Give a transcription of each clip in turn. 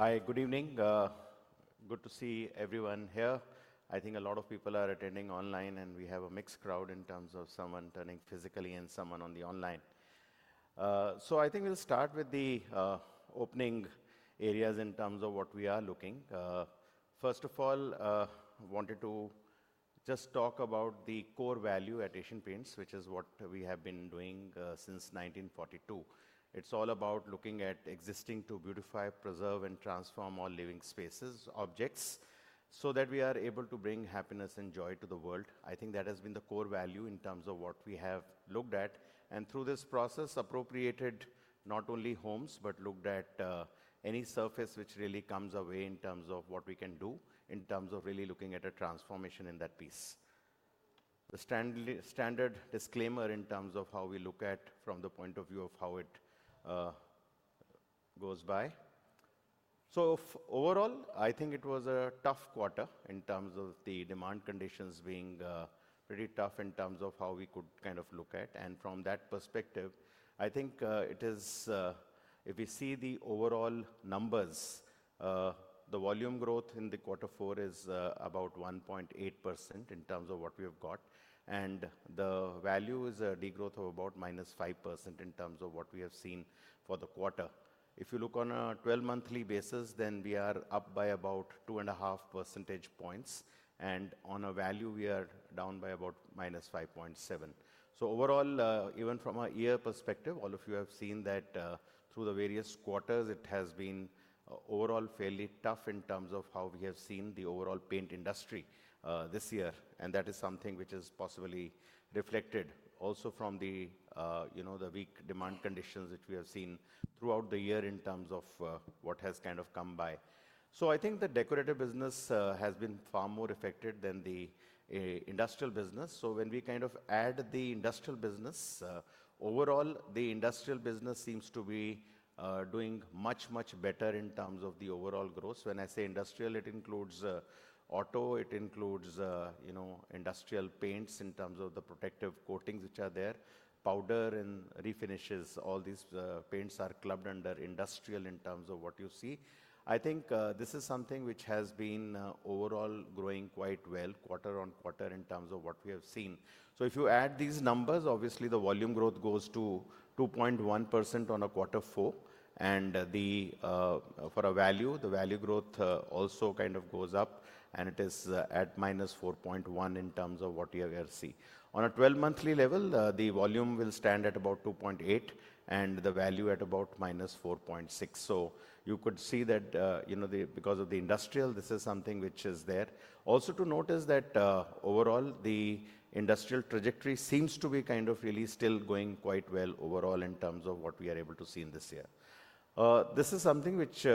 Hi, good evening. Good to see everyone here. I think a lot of people are attending online, and we have a mixed crowd in terms of someone turning physically and someone on the online. I think we'll start with the opening areas in terms of what we are looking. First of all, I wanted to just talk about the core value at Asian Paints, which is what we have been doing since 1942. It's all about looking at existing to beautify, preserve, and transform all living spaces, objects, so that we are able to bring happiness and joy to the world. I think that has been the core value in terms of what we have looked at. Through this process, appropriated not only homes, but looked at any surface which really comes away in terms of what we can do in terms of really looking at a transformation in that piece. The standard disclaimer in terms of how we look at from the point of view of how it goes by. Overall, I think it was a tough quarter in terms of the demand conditions being pretty tough in terms of how we could kind of look at. From that perspective, I think it is, if we see the overall numbers, the volume growth in quarter four is about 1.8% in terms of what we have got. The value is a degrowth of about -5% in terms of what we have seen for the quarter. If you look on a 12-monthly basis, then we are up by about 2.5 percentage points. On a value, we are down by about -5.7%. Overall, even from a year perspective, all of you have seen that through the various quarters, it has been overall fairly tough in terms of how we have seen the overall paint industry this year. That is something which is possibly reflected also from the weak demand conditions which we have seen throughout the year in terms of what has kind of come by. I think the decorative business has been far more affected than the industrial business. When we kind of add the industrial business, overall, the industrial business seems to be doing much, much better in terms of the overall growth. When I say industrial, it includes auto, it includes industrial paints in terms of the protective coatings which are there, powder, and refinishes. All these paints are clubbed under industrial in terms of what you see. I think this is something which has been overall growing quite well, quarter on quarter in terms of what we have seen. If you add these numbers, obviously the volume growth goes to 2.1% on quarter four. For value, the value growth also kind of goes up, and it is at minus 4.1% in terms of what you have seen. On a 12-monthly level, the volume will stand at about 2.8% and the value at about minus 4.6%. You could see that because of the industrial, this is something which is there. Also to notice that overall, the industrial trajectory seems to be kind of really still going quite well overall in terms of what we are able to see in this year. This is something which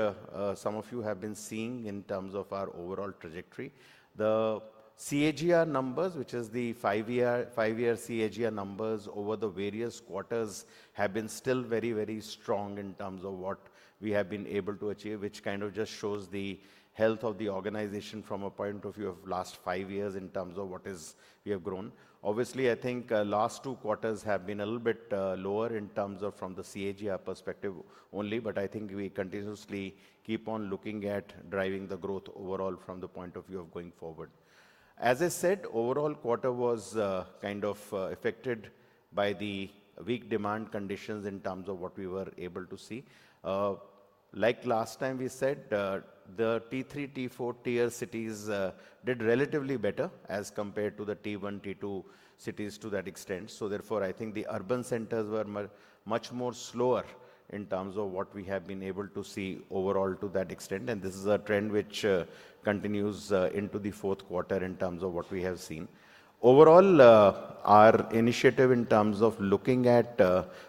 some of you have been seeing in terms of our overall trajectory. The CAGR numbers, which is the five-year CAGR numbers over the various quarters, have been still very, very strong in terms of what we have been able to achieve, which kind of just shows the health of the organization from a point of view of last five years in terms of what we have grown. Obviously, I think last two quarters have been a little bit lower in terms of from the CAGR perspective only, but I think we continuously keep on looking at driving the growth overall from the point of view of going forward. As I said, overall quarter was kind of affected by the weak demand conditions in terms of what we were able to see. Like last time we said, the T3, T4 tier cities did relatively better as compared to the T1, T2 cities to that extent. Therefore, I think the urban centers were much more slower in terms of what we have been able to see overall to that extent. This is a trend which continues into the fourth quarter in terms of what we have seen. Overall, our initiative in terms of looking at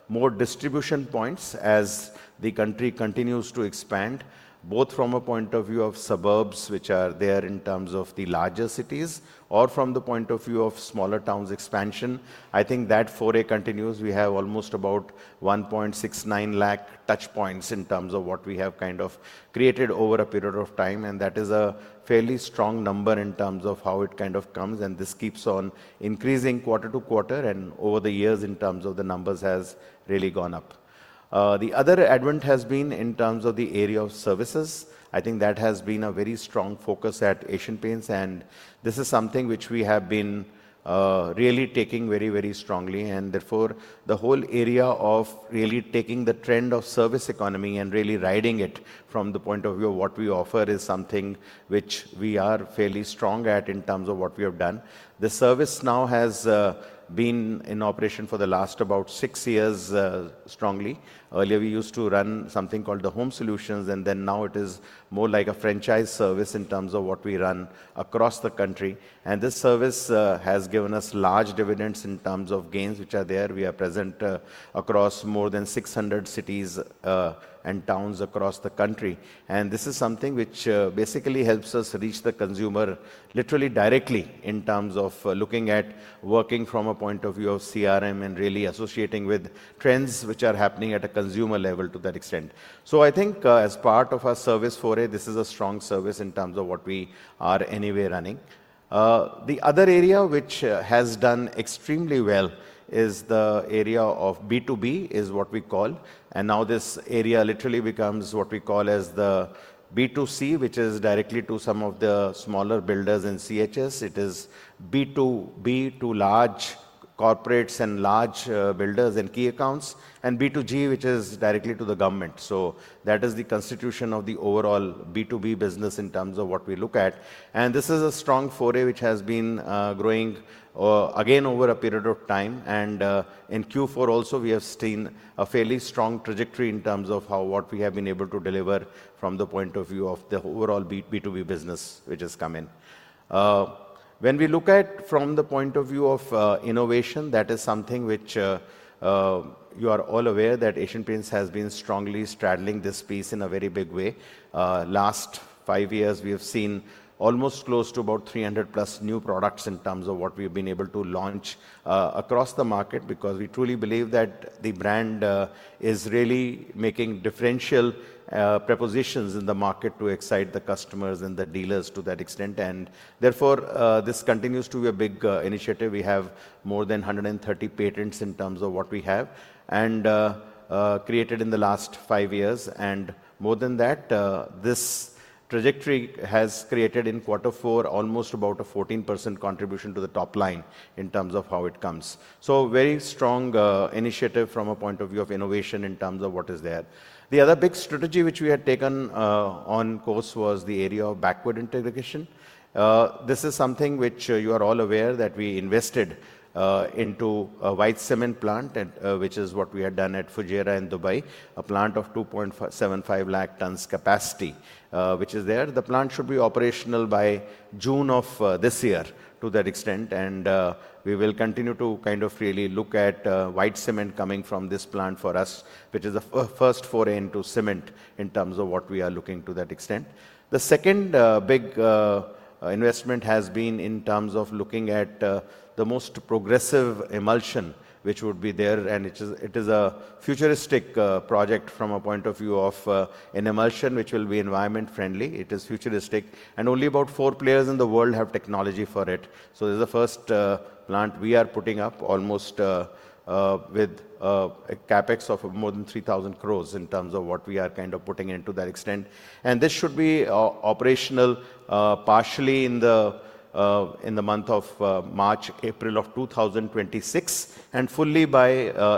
more distribution points as the country continues to expand, both from a point of view of suburbs which are there in terms of the larger cities or from the point of view of smaller towns expansion, I think that foray continues. We have almost about 1.69 lakh touch points in terms of what we have kind of created over a period of time. That is a fairly strong number in terms of how it kind of comes. This keeps on increasing quarter to quarter. Over the years, in terms of the numbers, it has really gone up. The other advent has been in terms of the area of services. I think that has been a very strong focus at Asian Paints. This is something which we have been really taking very, very strongly. Therefore, the whole area of really taking the trend of service economy and really riding it from the point of view of what we offer is something which we are fairly strong at in terms of what we have done. The service now has been in operation for the last about six years strongly. Earlier, we used to run something called the Home Solutions. It is more like a franchise service in terms of what we run across the country. This service has given us large dividends in terms of gains which are there. We are present across more than 600 cities and towns across the country. This is something which basically helps us reach the consumer literally directly in terms of looking at working from a point of view of CRM and really associating with trends which are happening at a consumer level to that extent. I think as part of our service foray, this is a strong service in terms of what we are anyway running. The other area which has done extremely well is the area of B2B is what we call. Now this area literally becomes what we call as the B2C, which is directly to some of the smaller builders and CHS. It is B2B to large corporates and large builders and key accounts. B2G, which is directly to the government. That is the constitution of the overall B2B business in terms of what we look at. This is a strong foray which has been growing again over a period of time. In Q4 also, we have seen a fairly strong trajectory in terms of what we have been able to deliver from the point of view of the overall B2B business which has come in. When we look at from the point of view of innovation, that is something which you are all aware that Asian Paints has been strongly straddling this space in a very big way. Last five years, we have seen almost close to about 300 plus new products in terms of what we have been able to launch across the market because we truly believe that the brand is really making differential propositions in the market to excite the customers and the dealers to that extent. This continues to be a big initiative. We have more than 130 patents in terms of what we have created in the last five years. More than that, this trajectory has created in quarter four almost about a 14% contribution to the top line in terms of how it comes. Very strong initiative from a point of view of innovation in terms of what is there. The other big strategy which we had taken on course was the area of backward integration. This is something which you are all aware that we invested into a white cement plant, which is what we had done at Fujairah in Dubai, a plant of 2.75 lakh tons capacity which is there. The plant should be operational by June of this year to that extent. We will continue to kind of really look at white cement coming from this plant for us, which is a first foray into cement in terms of what we are looking to that extent. The second big investment has been in terms of looking at the most progressive emulsion which would be there. It is a futuristic project from a point of view of an emulsion which will be environment-friendly. It is futuristic. Only about four players in the world have technology for it. This is the first plant we are putting up almost with a CapEx of more than 3,000 crore in terms of what we are kind of putting into that extent. This should be operational partially in the month of March, April of 2026, and fully by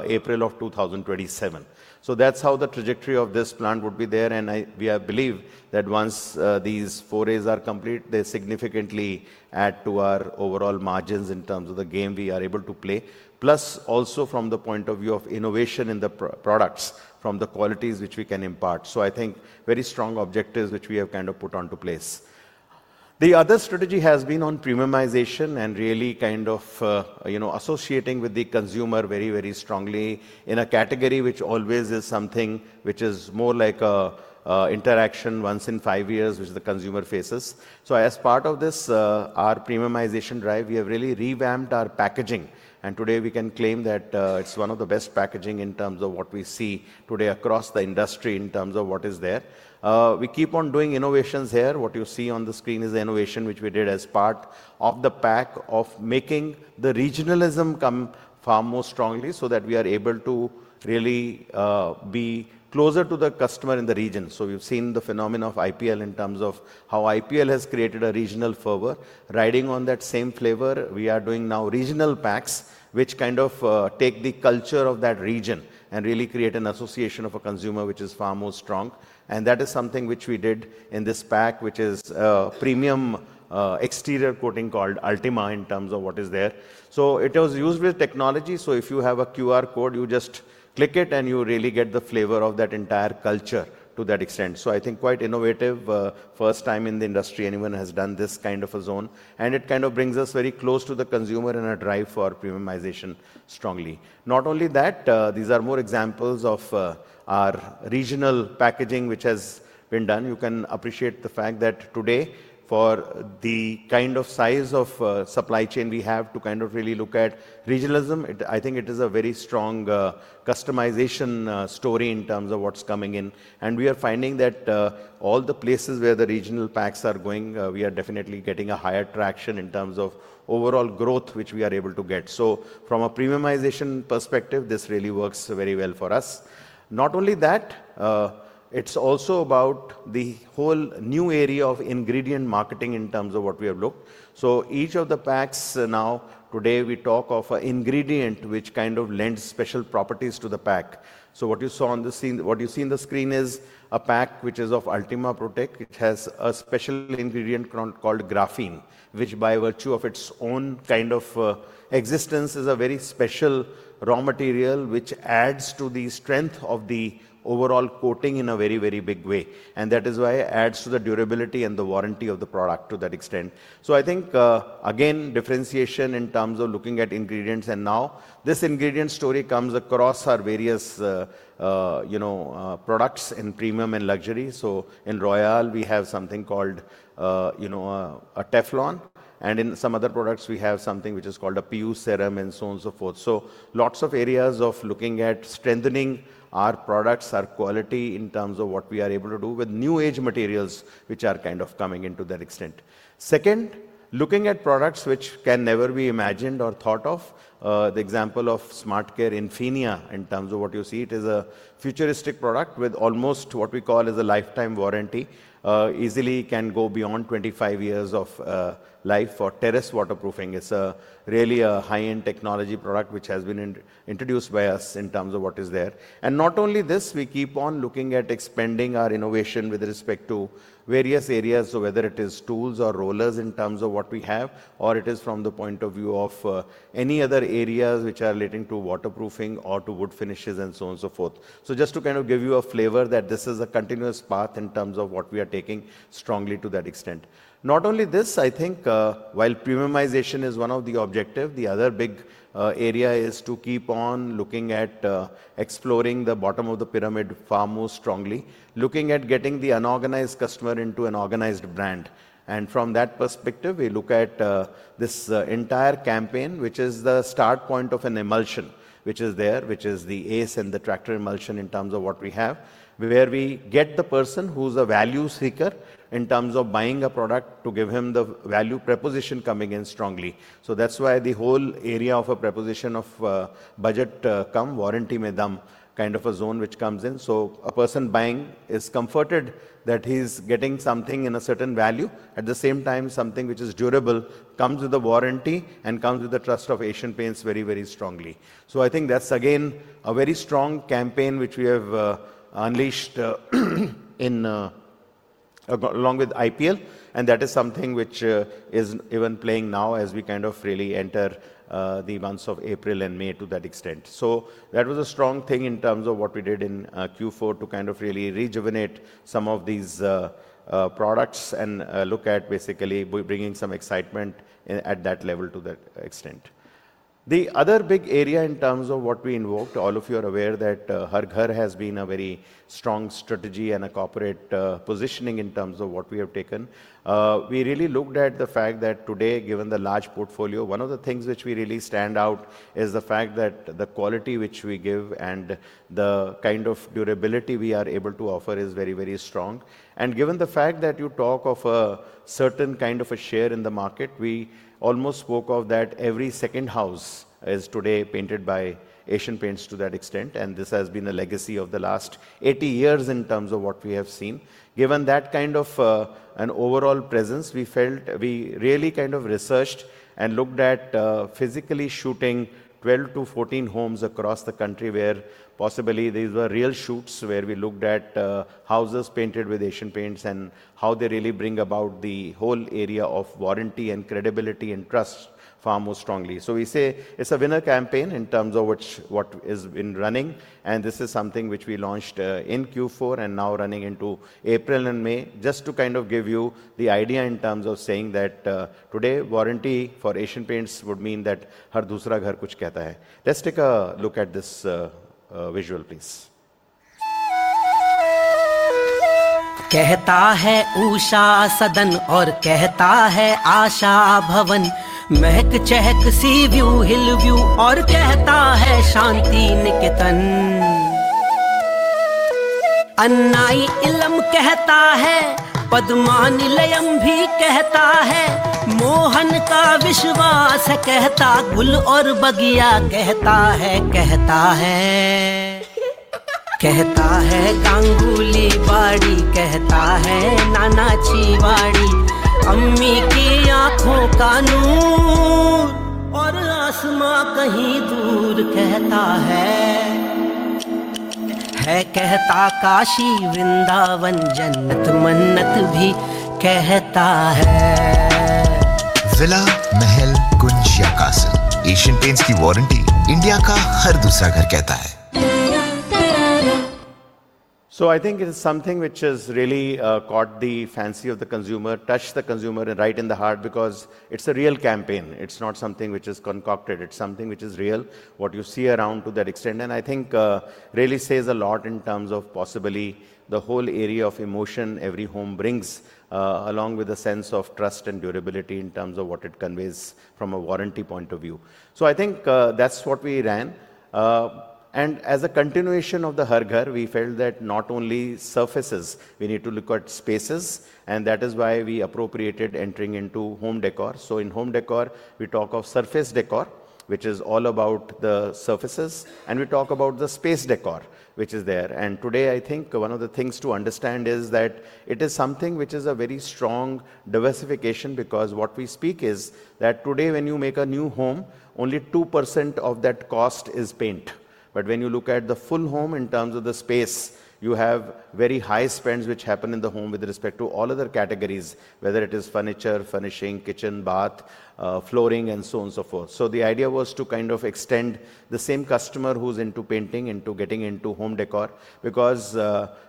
April of 2027. That is how the trajectory of this plant would be there. We believe that once these forays are complete, they significantly add to our overall margins in terms of the game we are able to play, plus also from the point of view of innovation in the products from the qualities which we can impart. I think very strong objectives which we have kind of put onto place. The other strategy has been on premiumization and really kind of associating with the consumer very, very strongly in a category which always is something which is more like an interaction once in five years which the consumer faces. As part of this premiumization drive, we have really revamped our packaging. Today we can claim that it's one of the best packaging in terms of what we see today across the industry in terms of what is there. We keep on doing innovations here. What you see on the screen is the innovation which we did as part of the pack of making the regionalism come far more strongly so that we are able to really be closer to the customer in the region. We have seen the phenomenon of IPL in terms of how IPL has created a regional fervor. Riding on that same flavor, we are doing now regional packs which kind of take the culture of that region and really create an association of a consumer which is far more strong. That is something which we did in this pack, which is a premium exterior coating called Ultima in terms of what is there. It was used with technology. If you have a QR code, you just click it and you really get the flavor of that entire culture to that extent. I think quite innovative, first time in the industry anyone has done this kind of a zone. It kind of brings us very close to the consumer in a drive for premiumization strongly. Not only that, these are more examples of our regional packaging which has been done. You can appreciate the fact that today, for the kind of size of supply chain we have to kind of really look at regionalism, I think it is a very strong customization story in terms of what's coming in. We are finding that all the places where the regional packs are going, we are definitely getting a higher traction in terms of overall growth which we are able to get. From a premiumization perspective, this really works very well for us. Not only that, it's also about the whole new area of ingredient marketing in terms of what we have looked. Each of the packs now, today we talk of an ingredient which kind of lends special properties to the pack. What you see on the screen is a pack which is of Ultima Protect, which has a special ingredient called graphene, which by virtue of its own kind of existence is a very special raw material which adds to the strength of the overall coating in a very, very big way. That is why it adds to the durability and the warranty of the product to that extent. I think, again, differentiation in terms of looking at ingredients. Now this ingredient story comes across our various products in premium and luxury. In Royal, we have something called a Teflon. In some other products, we have something which is called a PU serum and so on and so forth. Lots of areas of looking at strengthening our products, our quality in terms of what we are able to do with new age materials which are kind of coming into that extent. Second, looking at products which can never be imagined or thought of, the example of SmartCare Infinity in terms of what you see, it is a futuristic product with almost what we call is a lifetime warranty, easily can go beyond 25 years of life for terrace waterproofing. It's really a high-end technology product which has been introduced by us in terms of what is there. Not only this, we keep on looking at expanding our innovation with respect to various areas, whether it is tools or rollers in terms of what we have, or it is from the point of view of any other areas which are relating to waterproofing or to wood finishes and so on and so forth. Just to kind of give you a flavor that this is a continuous path in terms of what we are taking strongly to that extent. Not only this, I think while premiumization is one of the objectives, the other big area is to keep on looking at exploring the bottom of the pyramid far more strongly, looking at getting the unorganized customer into an organized brand. From that perspective, we look at this entire campaign, which is the start point of an emulsion which is there, which is the ACE and the Tractor Emulsion in terms of what we have, where we get the person who's a value seeker in terms of buying a product to give him the value proposition coming in strongly. That's why the whole area of a proposition of budget come, warranty medum, kind of a zone which comes in. A person buying is comforted that he's getting something in a certain value. At the same time, something which is durable comes with a warranty and comes with the trust of Asian Paints very, very strongly. I think that's again a very strong campaign which we have unleashed along with IPL. That is something which is even playing now as we kind of really enter the months of April and May to that extent. That was a strong thing in terms of what we did in Q4 to kind of really rejuvenate some of these products and look at basically bringing some excitement at that level to that extent. The other big area in terms of what we invoked, all of you are aware that Harghar has been a very strong strategy and a corporate positioning in terms of what we have taken. We really looked at the fact that today, given the large portfolio, one of the things which we really stand out is the fact that the quality which we give and the kind of durability we are able to offer is very, very strong. Given the fact that you talk of a certain kind of a share in the market, we almost spoke of that every second house is today painted by Asian Paints to that extent. This has been a legacy of the last 80 years in terms of what we have seen. Given that kind of an overall presence, we felt we really kind of researched and looked at physically shooting 12-14 homes across the country where possibly these were real shoots where we looked at houses painted with Asian Paints and how they really bring about the whole area of warranty and credibility and trust far more strongly. We say it is a winner campaign in terms of what has been running. This is something which we launched in Q4 and now running into April and May just to kind of give you the idea in terms of saying that today warranty for Asian Paints would mean that हर दूसरा घर कुछ कहता है. Let's take a look at this visual, please. कहता है उषा सदन और कहता है आशा Bhavan, Mahak Chahak sea view hill view और कहता है शांति निकितन. अन्नाई इलम कहता है, पद्मा निलयम भी कहता है, मोहन का विश्वास कहता, गुल और बगिया कहता है, कहता है, कहता है गांगुली बाड़ी, कहता है नानाची वाड़ी, अम्मी की आँखों का नूर और आसमा कहीं दूर कहता है. है कहता काशी वृंदावन जन्नत मन्नत भी कहता है. विला, महल, कुंज या कासल, एशियन पेंट्स की वारंटी इंडिया का हर दूसरा घर कहता है. I think it is something which has really caught the fancy of the consumer, touched the consumer right in the heart because it's a real campaign. It's not something which is concocted. It's something which is real, what you see around to that extent. I think it really says a lot in terms of possibly the whole area of emotion every home brings along with a sense of trust and durability in terms of what it conveys from a warranty point of view. I think that's what we ran. As a continuation of the Harghar, we felt that not only surfaces, we need to look at spaces. That is why we appropriated entering into home décor. In home décor, we talk of surface décor, which is all about the surfaces. We talk about the space décor, which is there. Today, I think one of the things to understand is that it is something which is a very strong diversification because what we speak is that today when you make a new home, only 2% of that cost is paint. When you look at the full home in terms of the space, you have very high spends which happen in the home with respect to all other categories, whether it is furniture, furnishing, kitchen, bath, flooring, and so on and so forth. The idea was to kind of extend the same customer who's into painting, into getting into home decor because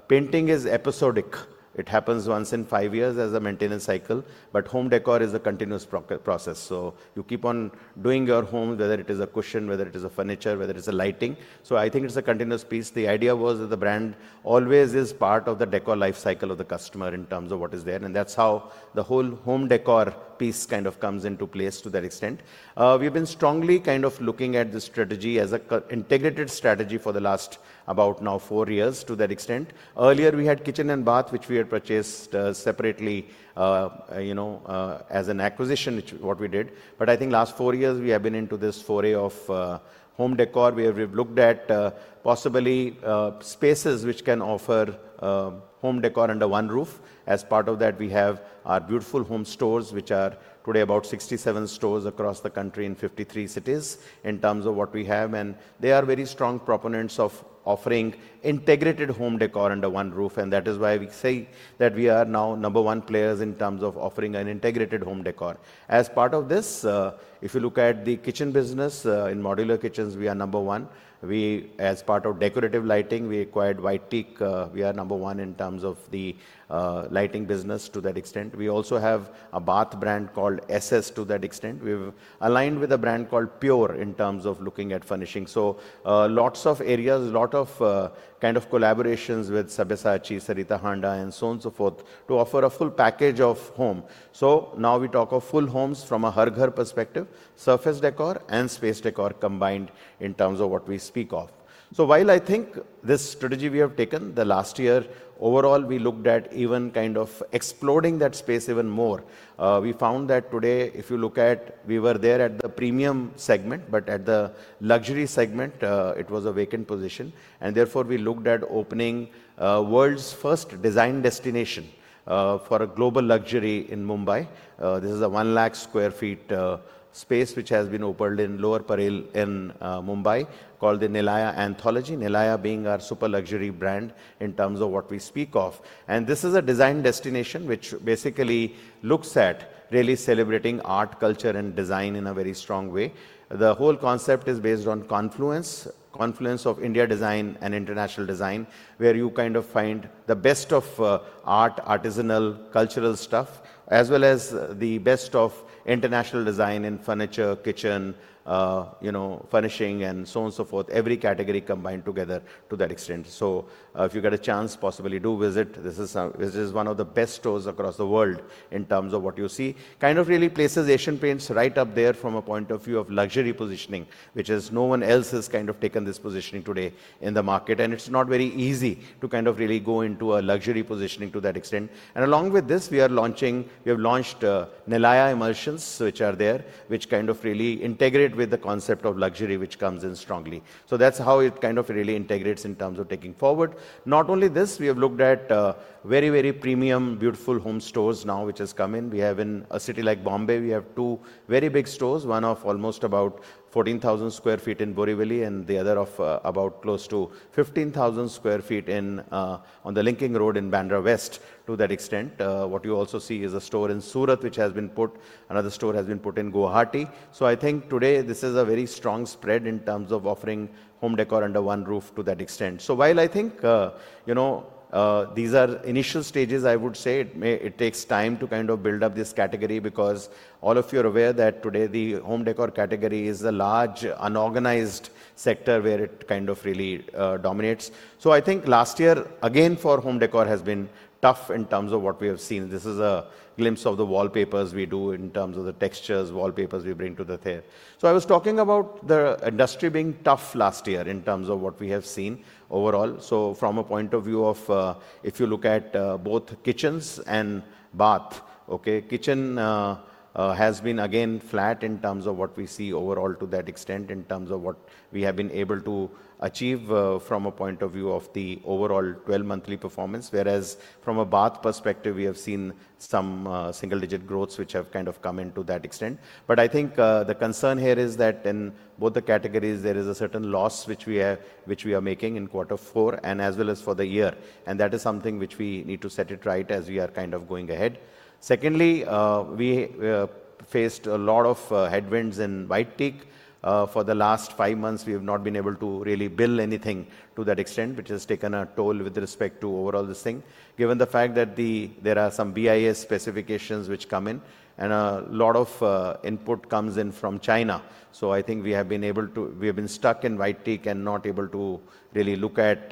painting is episodic. It happens once in five years as a maintenance cycle. Home decor is a continuous process. You keep on doing your home, whether it is a cushion, whether it is a furniture, whether it is a lighting. I think it's a continuous piece. The idea was that the brand always is part of the decor life cycle of the customer in terms of what is there. That's how the whole home decor piece kind of comes into place to that extent. We have been strongly kind of looking at the strategy as an integrated strategy for the last about now four years to that extent. Earlier, we had kitchen and bath, which we had purchased separately as an acquisition, which is what we did. I think last four years, we have been into this foray of home decor. We have looked at possibly spaces which can offer home decor under one roof. As part of that, we have our Beautiful Homes stores, which are today about 67 stores across the country in 53 cities in terms of what we have. They are very strong proponents of offering integrated home decor under one roof. That is why we say that we are now number one players in terms of offering an integrated home decor. As part of this, if you look at the kitchen business, in modular kitchens, we are number one. As part of decorative lighting, we acquired White Teak. We are number one in terms of the lighting business to that extent. We also have a bath brand called SS to that extent. We have aligned with a brand called Pure in terms of looking at furnishing. Lots of areas, a lot of kind of collaborations with Sabasa Achi, Sarita Handa, and so on and so forth to offer a full package of home. Now we talk of full homes from a Harghar perspective, surface decor and space decor combined in terms of what we speak of. While I think this strategy we have taken the last year, overall, we looked at even kind of exploding that space even more. We found that today, if you look at, we were there at the premium segment, but at the luxury segment, it was a vacant position. Therefore, we looked at opening world's first design destination for a global luxury in Mumbai. This is a 100,000 sq ft space which has been opened in Lower Parel in Mumbai called the Nilaya Anthology. Nilaya being our super luxury brand in terms of what we speak of. This is a design destination which basically looks at really celebrating art, culture, and design in a very strong way. The whole concept is based on confluence, confluence of India design and international design, where you kind of find the best of art, artisanal, cultural stuff, as well as the best of international design in furniture, kitchen, furnishing, and so on and so forth, every category combined together to that extent. If you get a chance, possibly do visit. This is one of the best stores across the world in terms of what you see. Kind of really places Asian Paints right up there from a point of view of luxury positioning, which is no one else has kind of taken this positioning today in the market. It is not very easy to kind of really go into a luxury positioning to that extent. Along with this, we are launching, we have launched Nilaya Emulsions, which are there, which kind of really integrate with the concept of luxury, which comes in strongly. That is how it kind of really integrates in terms of taking forward. Not only this, we have looked at very, very premium Beautiful Homes stores now, which has come in. We have in a city like Mumbai, we have two very big stores, one of almost about 14,000 sq ft in Borivali and the other of about close to 15,000 sq ft on the Linking Road in Bandra West to that extent. What you also see is a store in Surat, which has been put, another store has been put in Guwahati. I think today this is a very strong spread in terms of offering home décor under one roof to that extent. While I think these are initial stages, I would say it takes time to kind of build up this category because all of you are aware that today the home decor category is a large unorganized sector where it kind of really dominates. I think last year, again, for home decor has been tough in terms of what we have seen. This is a glimpse of the wallpapers we do in terms of the textures, wallpapers we bring to the theater. I was talking about the industry being tough last year in terms of what we have seen overall. From a point of view of if you look at both kitchens and bath, kitchen has been again flat in terms of what we see overall to that extent in terms of what we have been able to achieve from a point of view of the overall 12-monthly performance, whereas from a bath perspective, we have seen some single-digit growths which have kind of come into that extent. I think the concern here is that in both the categories, there is a certain loss which we are making in quarter four and as well as for the year. That is something which we need to set it right as we are kind of going ahead. Secondly, we faced a lot of headwinds in White Teak. For the last five months, we have not been able to really bill anything to that extent, which has taken a toll with respect to overall this thing, given the fact that there are some BIS specifications which come in and a lot of input comes in from China. I think we have been able to, we have been stuck in White Teak and not able to really look at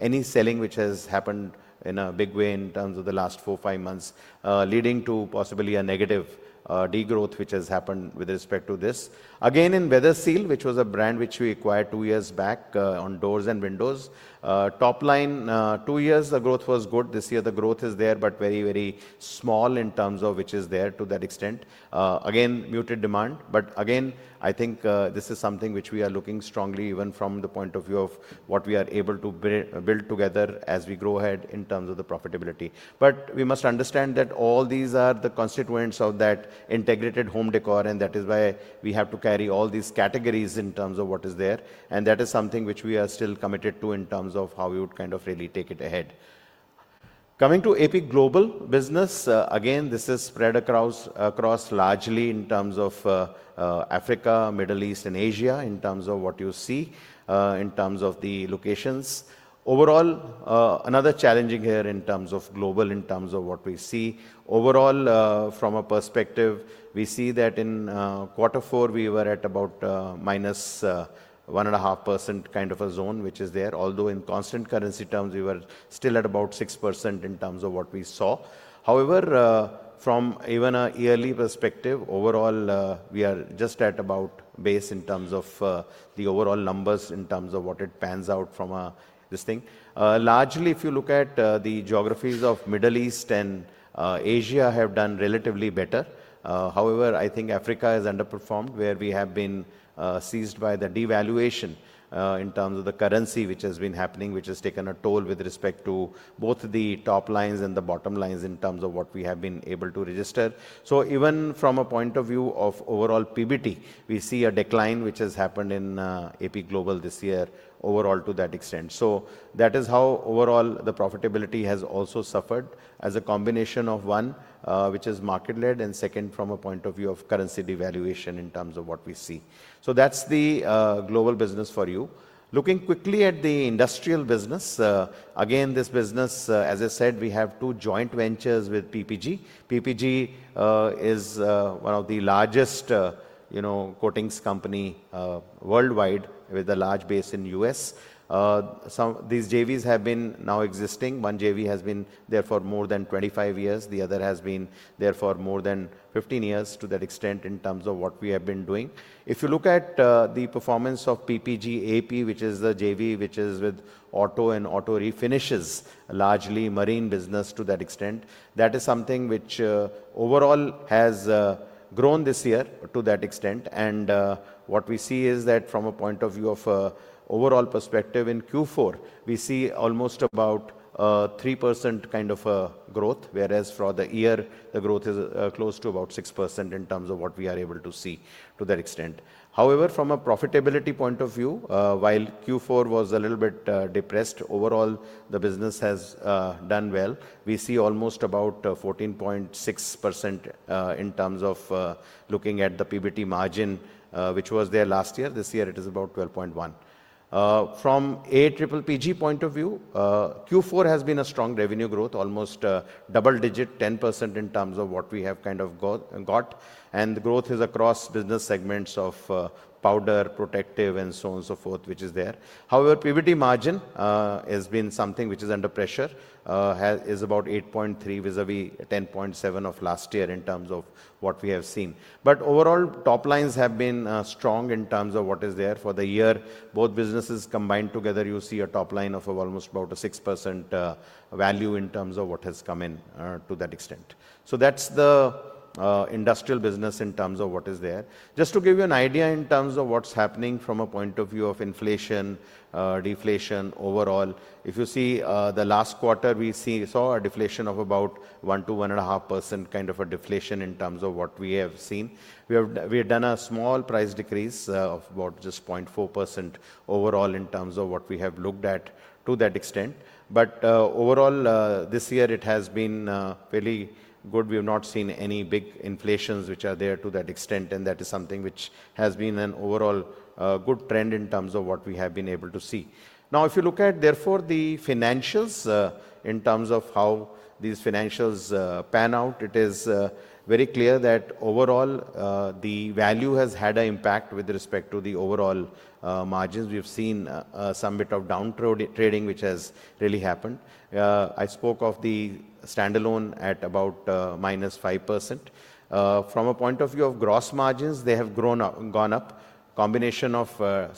any selling which has happened in a big way in terms of the last four, five months, leading to possibly a negative degrowth which has happened with respect to this. Again, in Weatherseal, which was a brand which we acquired two years back on doors and windows, top line, two years the growth was good. This year, the growth is there, but very, very small in terms of which is there to that extent. Again, muted demand. Again, I think this is something which we are looking strongly even from the point of view of what we are able to build together as we grow ahead in terms of the profitability. We must understand that all these are the constituents of that integrated home decor. That is why we have to carry all these categories in terms of what is there. That is something which we are still committed to in terms of how we would kind of really take it ahead. Coming to AP Global business, again, this is spread across largely in terms of Africa, Middle East, and Asia in terms of what you see in terms of the locations. Overall, another challenging year in terms of global, in terms of what we see overall from a perspective, we see that in quarter four, we were at about -1.5% kind of a zone, which is there. Although in constant currency terms, we were still at about 6% in terms of what we saw. However, from even an early perspective, overall, we are just at about base in terms of the overall numbers in terms of what it pans out from this thing. Largely, if you look at the geographies of Middle East and Asia, have done relatively better. However, I think Africa has underperformed where we have been seized by the devaluation in terms of the currency which has been happening, which has taken a toll with respect to both the top lines and the bottom lines in terms of what we have been able to register. Even from a point of view of overall PBT, we see a decline which has happened in AP Global this year overall to that extent. That is how overall the profitability has also suffered as a combination of one, which is market-led, and second, from a point of view of currency devaluation in terms of what we see. That is the global business for you. Looking quickly at the industrial business, again, this business, as I said, we have two joint ventures with PPG. PPG is one of the largest coatings company worldwide with a large base in the US. These JVs have been now existing. One JV has been there for more than 25 years. The other has been there for more than 15 years to that extent in terms of what we have been doing. If you look at the performance of PPG AP, which is the JV which is with auto and auto refinishes, largely marine business to that extent, that is something which overall has grown this year to that extent. What we see is that from a point of view of overall perspective in Q4, we see almost about 3% kind of growth, whereas for the year, the growth is close to about 6% in terms of what we are able to see to that extent. However, from a profitability point of view, while Q4 was a little bit depressed, overall, the business has done well. We see almost about 14.6% in terms of looking at the PBT margin, which was there last year. This year, it is about 12.1%. From a PPG point of view, Q4 has been a strong revenue growth, almost double-digit 10% in terms of what we have kind of got. The growth is across business segments of powder, protective, and so on and so forth, which is there. However, PBT margin has been something which is under pressure, is about 8.3% vis-à-vis 10.7% of last year in terms of what we have seen. Overall, top lines have been strong in terms of what is there for the year. Both businesses combined together, you see a top line of almost about a 6% value in terms of what has come in to that extent. So that's the industrial business in terms of what is there. Just to give you an idea in terms of what's happening from a point of view of inflation, deflation overall, if you see the last quarter, we saw a deflation of about 1-1.5% kind of a deflation in terms of what we have seen. We have done a small price decrease of about just 0.4% overall in terms of what we have looked at to that extent. But overall, this year, it has been fairly good. We have not seen any big inflations which are there to that extent. And that is something which has been an overall good trend in terms of what we have been able to see. Now, if you look at, therefore, the financials in terms of how these financials pan out, it is very clear that overall, the value has had an impact with respect to the overall margins. We have seen some bit of downtrading, which has really happened. I spoke of the standalone at about -5%. From a point of view of gross margins, they have gone up, combination of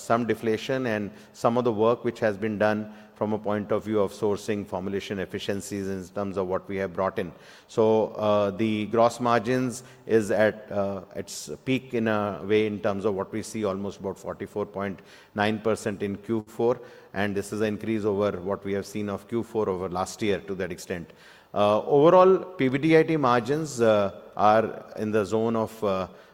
some deflation and some of the work which has been done from a point of view of sourcing formulation efficiencies in terms of what we have brought in. The gross margins is at its peak in a way in terms of what we see, almost about 44.9% in Q4. This is an increase over what we have seen of Q4 over last year to that extent. Overall, PBT IT margins are in the zone of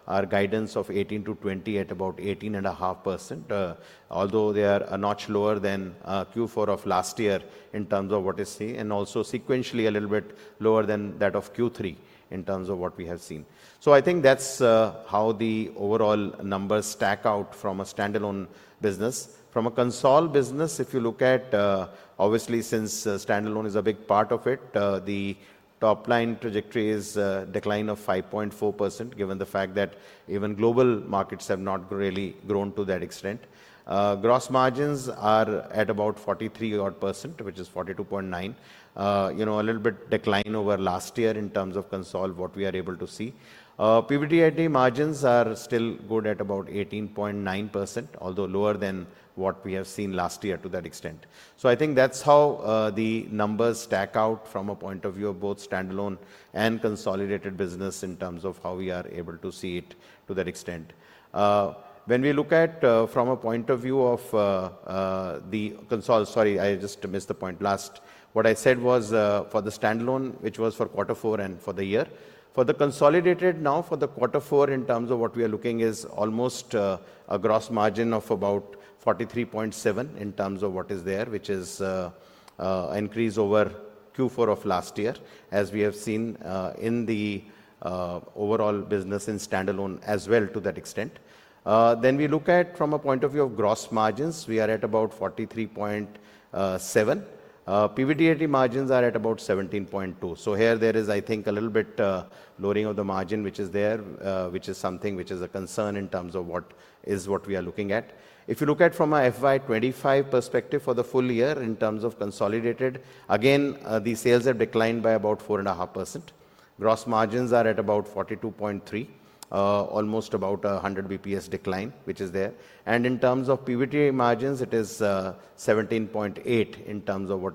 our guidance of 18%-20% at about 18.5%, although they are a notch lower than Q4 of last year in terms of what is seen and also sequentially a little bit lower than that of Q3 in terms of what we have seen. I think that's how the overall numbers stack out from a standalone business. From a console business, if you look at, obviously, since standalone is a big part of it, the top line trajectory is a decline of 5.4% given the fact that even global markets have not really grown to that extent. Gross margins are at about 43%, which is 42.9%, a little bit decline over last year in terms of console, what we are able to see. PBT margins are still good at about 18.9%, although lower than what we have seen last year to that extent. I think that's how the numbers stack out from a point of view of both standalone and consolidated business in terms of how we are able to see it to that extent. When we look at from a point of view of the console, sorry, I just missed the point last. What I said was for the standalone, which was for quarter four and for the year. For the consolidated now, for the quarter four, in terms of what we are looking is almost a gross margin of about 43.7% in terms of what is there, which is an increase over Q4 of last year, as we have seen in the overall business in standalone as well to that extent. We look at from a point of view of gross margins, we are at about 43.7%. PBT margins are at about 17.2%. Here, there is, I think, a little bit lowering of the margin, which is there, which is something which is a concern in terms of what is what we are looking at. If you look at from an FY2025 perspective for the full year in terms of consolidated, again, the sales have declined by about 4.5%. Gross margins are at about 42.3%, almost about 100 basis points decline, which is there. In terms of PBT margins, it is 17.8% in terms of what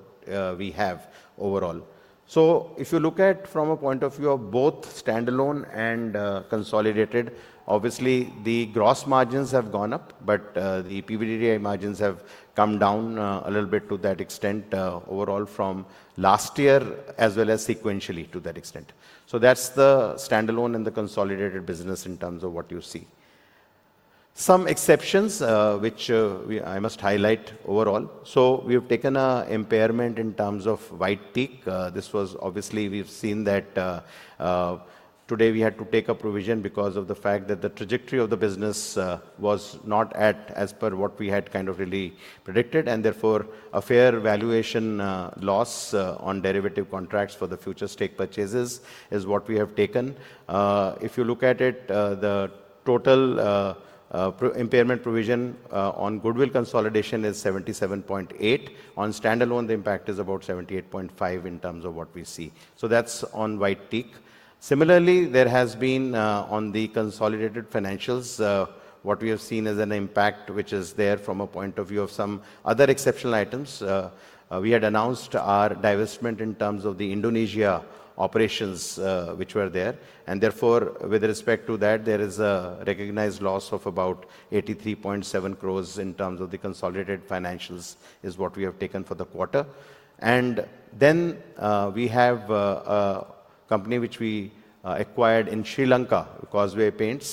we have overall. If you look at from a point of view of both standalone and consolidated, obviously, the gross margins have gone up, but the PBT margins have come down a little bit to that extent overall from last year as well as sequentially to that extent. That's the standalone and the consolidated business in terms of what you see. Some exceptions, which I must highlight overall. We have taken an impairment in terms of White Teak. This was obviously, we've seen that today we had to take a provision because of the fact that the trajectory of the business was not at as per what we had kind of really predicted. Therefore, a fair valuation loss on derivative contracts for the future stake purchases is what we have taken. If you look at it, the total impairment provision on goodwill consolidation is 77.8 million. On standalone, the impact is about 78.5 crore in terms of what we see. So that's on White Teak. Similarly, there has been on the consolidated financials, what we have seen as an impact, which is there from a point of view of some other exceptional items. We had announced our divestment in terms of the Indonesia operations, which were there. Therefore, with respect to that, there is a recognized loss of about 83.7 crore in terms of the consolidated financials is what we have taken for the quarter. Then we have a company which we acquired in Sri Lanka, Causeway Paints.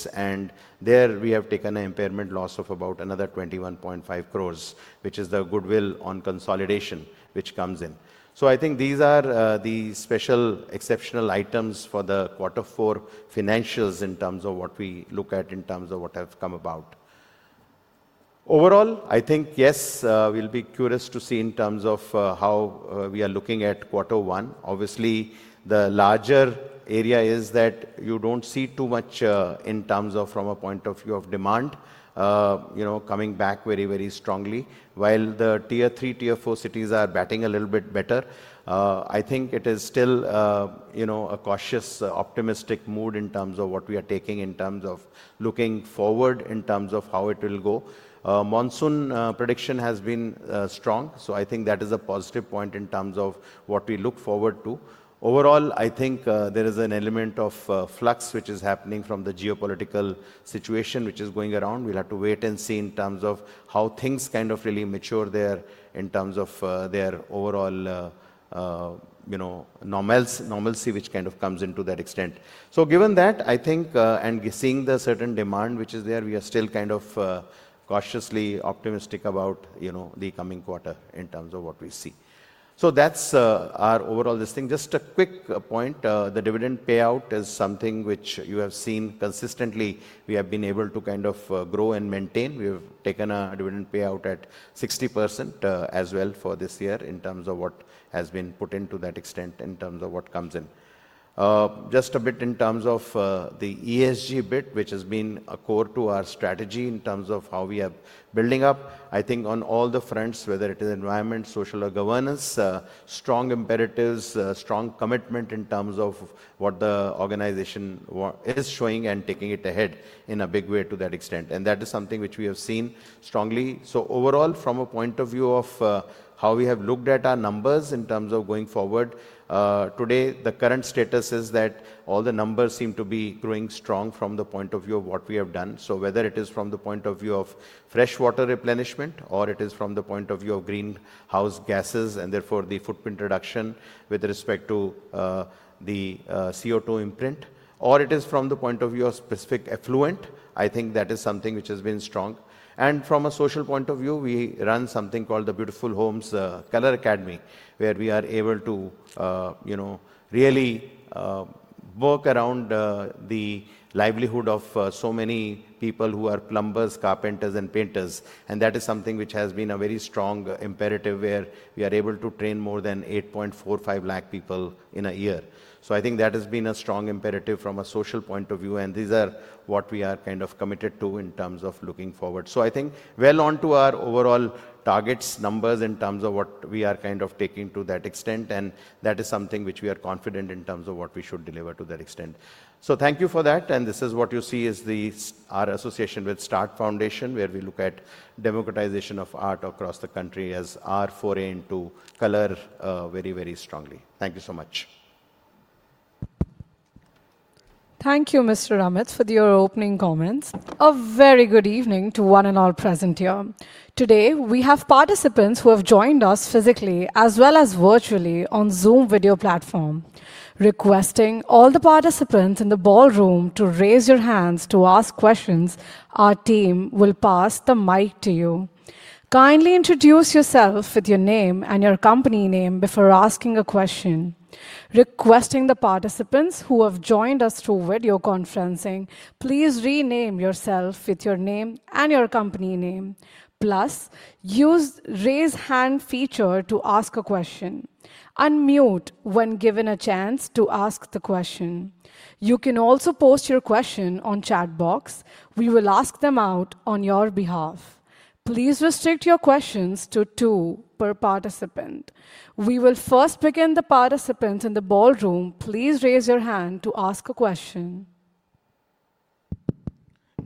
There we have taken an impairment loss of about another 21.5 crore, which is the goodwill on consolidation, which comes in. I think these are the special exceptional items for the quarter four financials in terms of what we look at in terms of what have come about. Overall, I think, yes, we'll be curious to see in terms of how we are looking at quarter one. Obviously, the larger area is that you don't see too much in terms of from a point of view of demand coming back very, very strongly. While the tier three, tier four cities are batting a little bit better, I think it is still a cautious, optimistic mood in terms of what we are taking in terms of looking forward in terms of how it will go. Monsoon prediction has been strong. I think that is a positive point in terms of what we look forward to. Overall, I think there is an element of flux which is happening from the geopolitical situation which is going around. We'll have to wait and see in terms of how things kind of really mature there in terms of their overall normalcy, which kind of comes into that extent. Given that, I think, and seeing the certain demand which is there, we are still kind of cautiously optimistic about the coming quarter in terms of what we see. That's our overall listing. Just a quick point, the dividend payout is something which you have seen consistently. We have been able to kind of grow and maintain. We have taken a dividend payout at 60% as well for this year in terms of what has been put into that extent in terms of what comes in. Just a bit in terms of the ESG bit, which has been a core to our strategy in terms of how we are building up. I think on all the fronts, whether it is environment, social, or governance, strong imperatives, strong commitment in terms of what the organization is showing and taking it ahead in a big way to that extent. That is something which we have seen strongly. Overall, from a point of view of how we have looked at our numbers in terms of going forward, today, the current status is that all the numbers seem to be growing strong from the point of view of what we have done. Whether it is from the point of view of freshwater replenishment or from the point of view of greenhouse gases and therefore the footprint reduction with respect to the CO2 imprint, or from the point of view of specific effluent, I think that is something which has been strong. From a social point of view, we run something called the Beautiful Homes Color Academy, where we are able to really work around the livelihood of so many people who are plumbers, carpenters, and painters. That is something which has been a very strong imperative where we are able to train more than 845,000 people in a year. I think that has been a strong imperative from a social point of view. These are what we are kind of committed to in terms of looking forward. I think on to our overall targets, numbers in terms of what we are kind of taking to that extent. That is something which we are confident in terms of what we should deliver to that extent. Thank you for that. This is what you see is our association with Start Foundation, where we look at democratization of art across the country as our foray into color very, very strongly. Thank you so much. Thank you, Mr. Amit, for your opening comments. A very good evening to one and all present here. Today, we have participants who have joined us physically as well as virtually on Zoom video platform. Requesting all the participants in the ballroom to raise your hands to ask questions, our team will pass the mic to you. Kindly introduce yourself with your name and your company name before asking a question. Requesting the participants who have joined us through video conferencing, please rename yourself with your name and your company name. Plus, use raise hand feature to ask a question. Unmute when given a chance to ask the question. You can also post your question on chat box. We will ask them out on your behalf. Please restrict your questions to two per participant. We will first begin the participants in the ballroom. Please raise your hand to ask a question.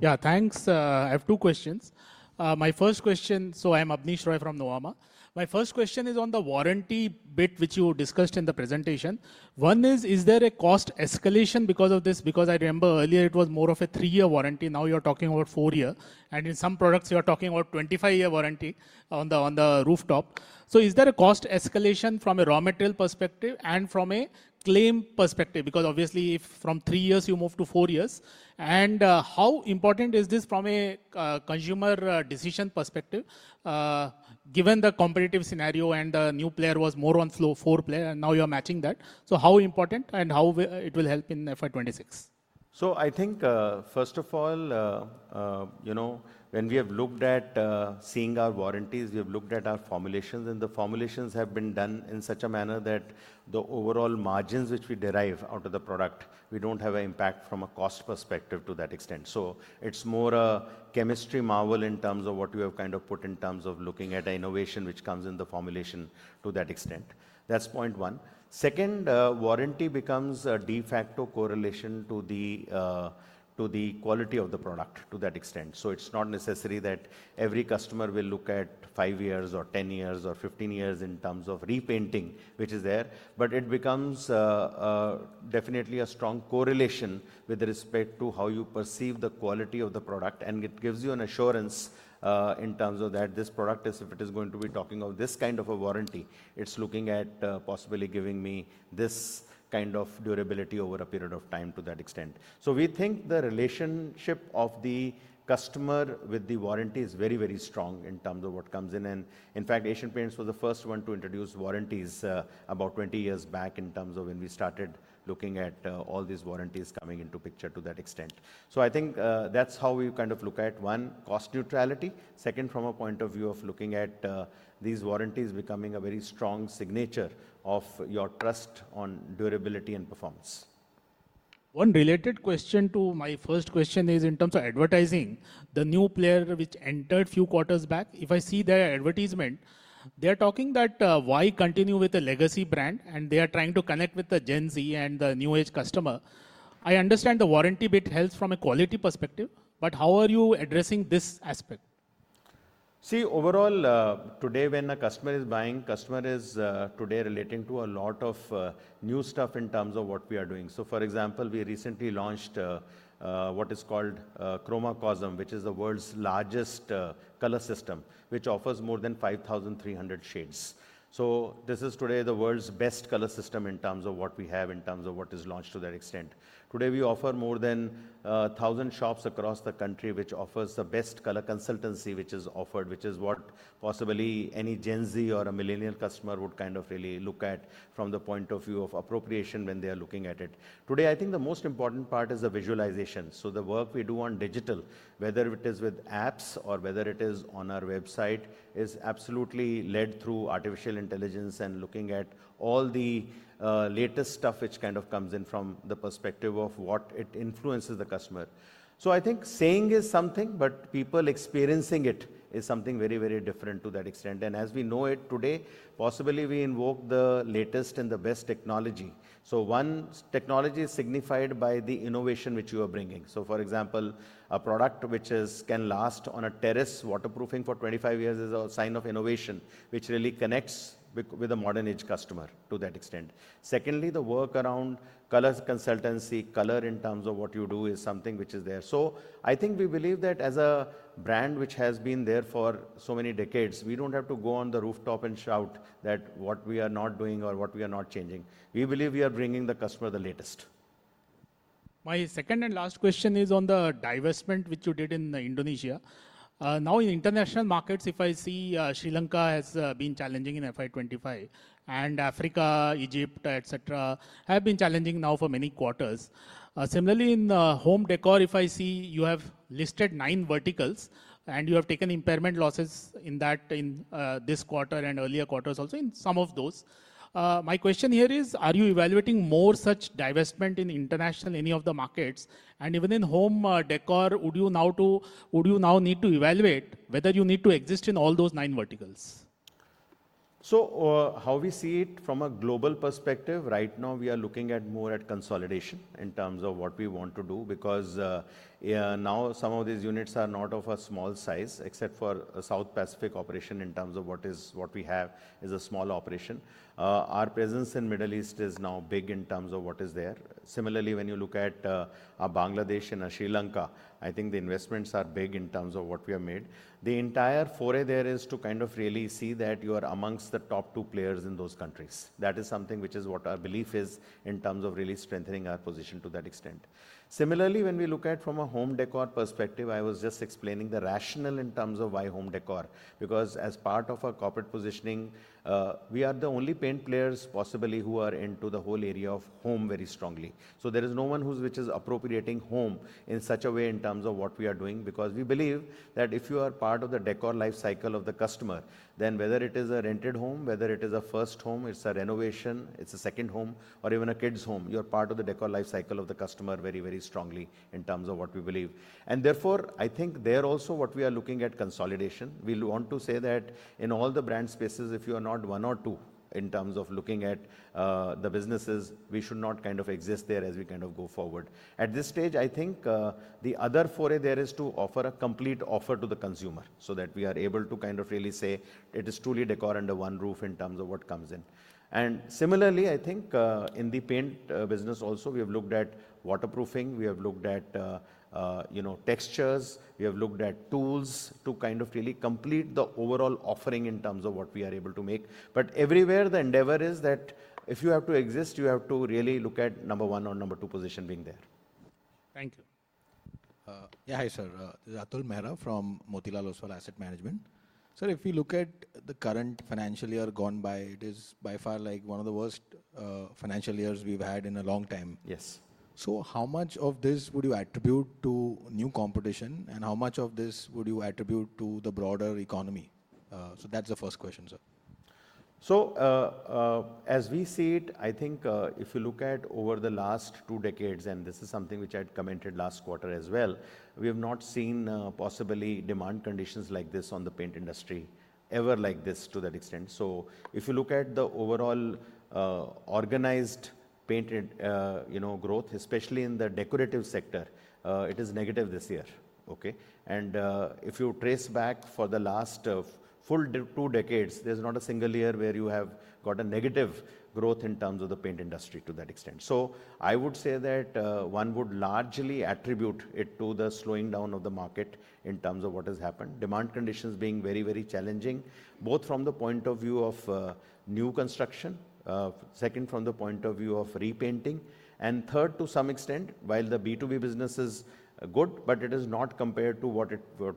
Yeah, thanks. I have two questions. My first question, so I'm Abneesh Roy from Nuvama. My first question is on the warranty bit, which you discussed in the presentation. One is, is there a cost escalation because of this? Because I remember earlier it was more of a three-year warranty. Now you're talking about four-year. And in some products, you're talking about 25-year warranty on the rooftop. Is there a cost escalation from a raw material perspective and from a claim perspective? Because obviously, if from three years you move to four years, and how important is this from a consumer decision perspective? Given the competitive scenario and the new player was more on slow four player, and now you're matching that. How important and how it will help in FY2026? I think, first of all, when we have looked at seeing our warranties, we have looked at our formulations. The formulations have been done in such a manner that the overall margins which we derive out of the product, we don't have an impact from a cost perspective to that extent. It's more a chemistry marvel in terms of what you have kind of put in terms of looking at an innovation which comes in the formulation to that extent. That's point one. Second, warranty becomes a de facto correlation to the quality of the product to that extent. It's not necessary that every customer will look at five years or 10 years or 15 years in terms of repainting, which is there. It becomes definitely a strong correlation with respect to how you perceive the quality of the product. It gives you an assurance in terms of that this product, if it is going to be talking of this kind of a warranty, it's looking at possibly giving me this kind of durability over a period of time to that extent. We think the relationship of the customer with the warranty is very, very strong in terms of what comes in. In fact, Asian Paints was the first one to introduce warranties about 20 years back in terms of when we started looking at all these warranties coming into picture to that extent. I think that's how we kind of look at one, cost neutrality. Second, from a point of view of looking at these warranties becoming a very strong signature of your trust on durability and performance. One related question to my first question is in terms of advertising. The new player which entered a few quarters back, if I see their advertisement, they are talking that why continue with the legacy brand, and they are trying to connect with the Gen Z and the new age customer. I understand the warranty bit helps from a quality perspective, but how are you addressing this aspect? See, overall, today when a customer is buying, customer is today relating to a lot of new stuff in terms of what we are doing. For example, we recently launched what is called Chromacosm, which is the world's largest color system, which offers more than 5,300 shades. This is today the world's best color system in terms of what we have in terms of what is launched to that extent. Today, we offer more than 1,000 shops across the country, which offers the best color consultancy which is offered, which is what possibly any Gen Z or a millennial customer would kind of really look at from the point of view of appropriation when they are looking at it. Today, I think the most important part is the visualization. The work we do on digital, whether it is with apps or whether it is on our website, is absolutely led through artificial intelligence and looking at all the latest stuff which kind of comes in from the perspective of what it influences the customer. I think saying is something, but people experiencing it is something very, very different to that extent. As we know it today, possibly we invoke the latest and the best technology. One technology is signified by the innovation which you are bringing. For example, a product which can last on a terrace waterproofing for 25 years is a sign of innovation, which really connects with a modern age customer to that extent. Secondly, the work around color consultancy, color in terms of what you do is something which is there. I think we believe that as a brand which has been there for so many decades, we don't have to go on the rooftop and shout that what we are not doing or what we are not changing. We believe we are bringing the customer the latest. My second and last question is on the divestment which you did in Indonesia. Now in international markets, if I see Sri Lanka has been challenging in FY 2025, and Africa, Egypt, et cetera, have been challenging now for many quarters. Similarly, in home décor, if I see you have listed nine verticals and you have taken impairment losses in that in this quarter and earlier quarters also in some of those. My question here is, are you evaluating more such divestment in international any of the markets? Even in home decor, would you now need to evaluate whether you need to exist in all those nine verticals? How we see it from a global perspective, right now we are looking more at consolidation in terms of what we want to do because now some of these units are not of a small size, except for a South Pacific operation in terms of what we have is a small operation. Our presence in Middle East is now big in terms of what is there. Similarly, when you look at Bangladesh and Sri Lanka, I think the investments are big in terms of what we have made. The entire foray there is to kind of really see that you are amongst the top two players in those countries. That is something which is what our belief is in terms of really strengthening our position to that extent. Similarly, when we look at from a home decor perspective, I was just explaining the rationale in terms of why home decor, because as part of our corporate positioning, we are the only paint players possibly who are into the whole area of home very strongly. There is no one who is which is appropriating home in such a way in terms of what we are doing because we believe that if you are part of the decor life cycle of the customer, then whether it is a rented home, whether it is a first home, it's a renovation, it's a second home, or even a kid's home, you are part of the decor life cycle of the customer very, very strongly in terms of what we believe. Therefore, I think there also what we are looking at is consolidation. We want to say that in all the brand spaces, if you are not one or two in terms of looking at the businesses, we should not kind of exist there as we kind of go forward. At this stage, I think the other foray there is to offer a complete offer to the consumer so that we are able to kind of really say it is truly decor under one roof in terms of what comes in. Similarly, I think in the paint business also, we have looked at waterproofing. We have looked at textures. We have looked at tools to kind of really complete the overall offering in terms of what we are able to make. Everywhere, the endeavor is that if you have to exist, you have to really look at number one or number two position being there. Thank you. Yeah, hi sir. This is Atul Mehra from Motilal Oswal Asset Management. Sir, if we look at the current financial year gone by, it is by far like one of the worst financial years we've had in a long time. Yes. How much of this would you attribute to new competition, and how much of this would you attribute to the broader economy? That's the first question, sir. As we see it, I think if you look at over the last two decades, and this is something which I'd commented last quarter as well, we have not seen possibly demand conditions like this on the paint industry ever like this to that extent. If you look at the overall organized paint growth, especially in the decorative sector, it is negative this year. Okay. If you trace back for the last full two decades, there is not a single year where you have got a negative growth in terms of the paint industry to that extent. I would say that one would largely attribute it to the slowing down of the market in terms of what has happened, demand conditions being very, very challenging, both from the point of view of new construction, second from the point of view of repainting, and third to some extent, while the B2B business is good, it is not compared to what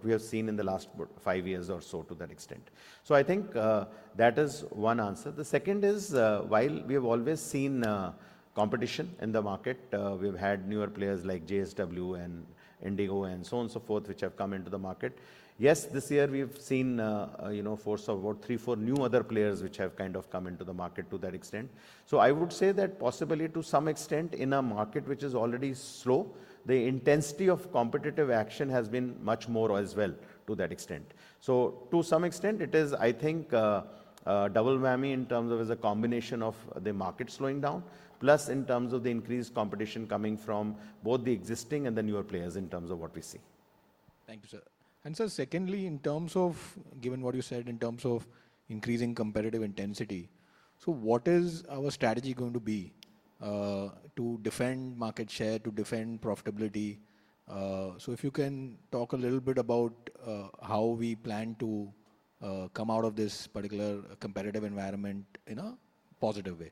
we have seen in the last five years or so to that extent. I think that is one answer. The second is while we have always seen competition in the market, we have had newer players like JSW and Indigo and so on and so forth, which have come into the market. Yes, this year we have seen force of about three, four new other players which have kind of come into the market to that extent. I would say that possibly to some extent in a market which is already slow, the intensity of competitive action has been much more as well to that extent. To some extent, it is, I think, double whammy in terms of as a combination of the market slowing down, plus in terms of the increased competition coming from both the existing and the newer players in terms of what we see. Thank you, sir. Sir, secondly, in terms of given what you said in terms of increasing competitive intensity, what is our strategy going to be to defend market share, to defend profitability? If you can talk a little bit about how we plan to come out of this particular competitive environment in a positive way.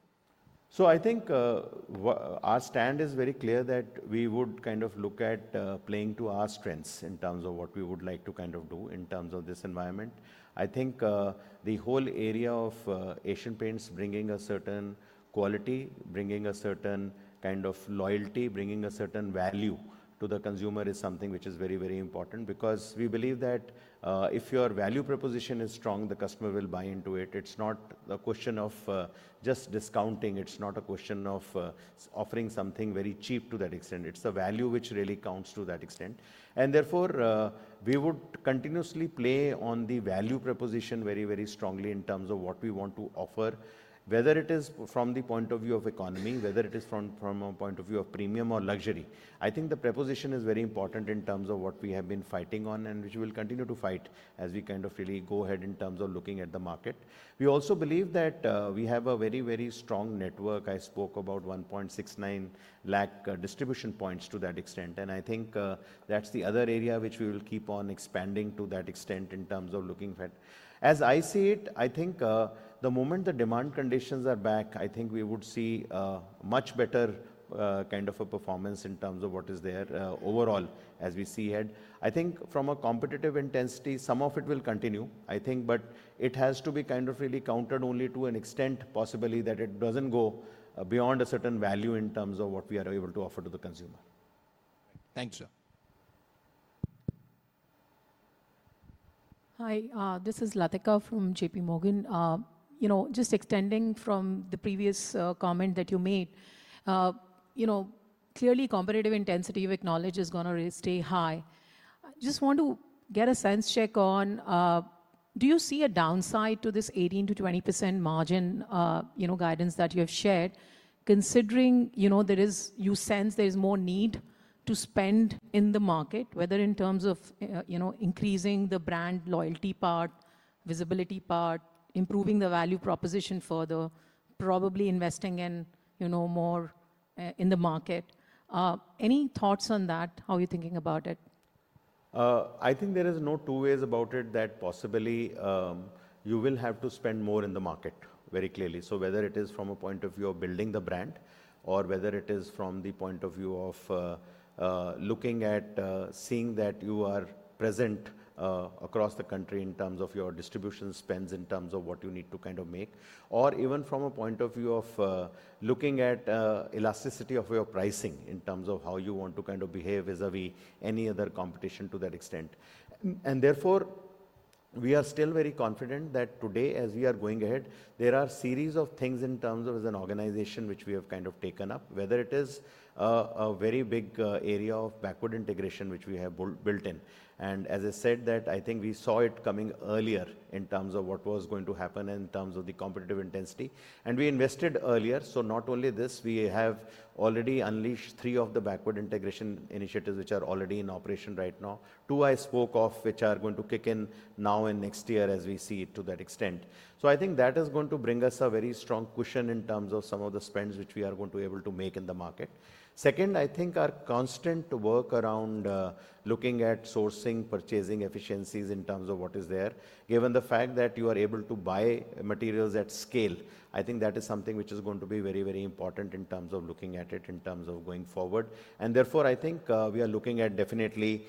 I think our stand is very clear that we would kind of look at playing to our strengths in terms of what we would like to kind of do in terms of this environment. I think the whole area of Asian Paints bringing a certain quality, bringing a certain kind of loyalty, bringing a certain value to the consumer is something which is very, very important because we believe that if your value proposition is strong, the customer will buy into it. It's not a question of just discounting. It's not a question of offering something very cheap to that extent. It's the value which really counts to that extent. Therefore, we would continuously play on the value proposition very, very strongly in terms of what we want to offer, whether it is from the point of view of economy, whether it is from a point of view of premium or luxury. I think the proposition is very important in terms of what we have been fighting on and which we will continue to fight as we kind of really go ahead in terms of looking at the market. We also believe that we have a very, very strong network. I spoke about 1.69 lakh distribution points to that extent. I think that's the other area which we will keep on expanding to that extent in terms of looking at. As I see it, I think the moment the demand conditions are back, I think we would see much better kind of a performance in terms of what is there overall as we see ahead. I think from a competitive intensity, some of it will continue, I think, but it has to be kind of really countered only to an extent possibly that it does not go beyond a certain value in terms of what we are able to offer to the consumer. Thank you, sir. Hi, this is Latika from JPMorgan. Just extending from the previous comment that you made, clearly competitive intensity of acknowledge is going to stay high. Just want to get a sense check on, do you see a downside to this 18-20% margin guidance that you have shared considering you sense there is more need to spend in the market, whether in terms of increasing the brand loyalty part, visibility part, improving the value proposition further, probably investing more in the market? Any thoughts on that? How are you thinking about it? I think there is no two ways about it that possibly you will have to spend more in the market very clearly. Whether it is from a point of view of building the brand or whether it is from the point of view of looking at seeing that you are present across the country in terms of your distribution spends in terms of what you need to kind of make, or even from a point of view of looking at elasticity of your pricing in terms of how you want to kind of behave vis-à-vis any other competition to that extent. Therefore, we are still very confident that today as we are going ahead, there are a series of things in terms of as an organization which we have kind of taken up, whether it is a very big area of backward integration which we have built in. As I said, I think we saw it coming earlier in terms of what was going to happen in terms of the competitive intensity. We invested earlier. Not only this, we have already unleashed three of the backward integration initiatives which are already in operation right now, two I spoke of which are going to kick in now and next year as we see it to that extent. I think that is going to bring us a very strong cushion in terms of some of the spends which we are going to be able to make in the market. Second, I think our constant work around looking at sourcing, purchasing efficiencies in terms of what is there, given the fact that you are able to buy materials at scale, I think that is something which is going to be very, very important in terms of looking at it in terms of going forward. Therefore, I think we are looking at definitely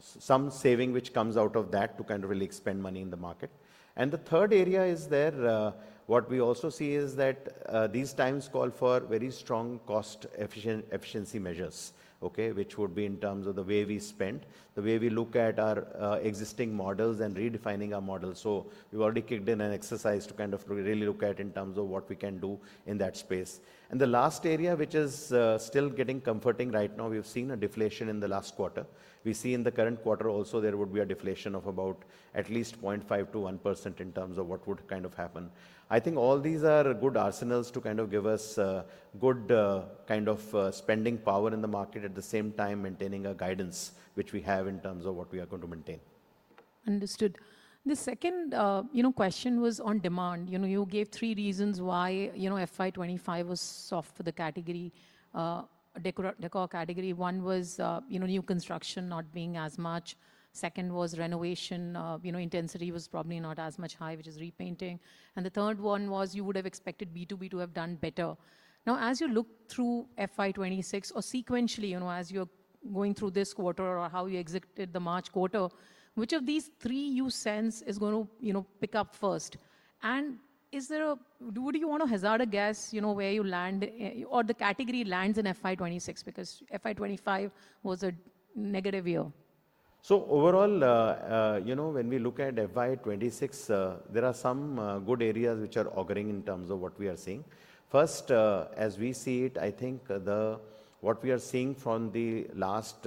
some saving which comes out of that to kind of really expend money in the market. The third area is there, what we also see is that these times call for very strong cost efficiency measures, which would be in terms of the way we spend, the way we look at our existing models and redefining our models. We have already kicked in an exercise to kind of really look at in terms of what we can do in that space. The last area which is still getting comforting right now, we've seen a deflation in the last quarter. We see in the current quarter also there would be a deflation of about at least 0.5%-1% in terms of what would kind of happen. I think all these are good arsenals to kind of give us good kind of spending power in the market at the same time maintaining a guidance which we have in terms of what we are going to maintain. Understood. The second question was on demand. You gave three reasons why FY2025 was soft for the category, decor category. One was new construction not being as much. Second was renovation intensity was probably not as much high, which is repainting. And the third one was you would have expected B2B to have done better. Now, as you look through FY26 or sequentially as you're going through this quarter or how you executed the March quarter, which of these three you sense is going to pick up first? Would you want to hazard a guess where you land or the category lands in FY26 because FY25 was a negative year? Overall, when we look at FY26, there are some good areas which are auguring in terms of what we are seeing. First, as we see it, I think what we are seeing from the last